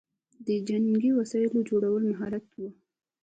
د جنګي وسایلو جوړول مهارت و